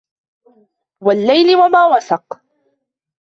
والليل وما وسق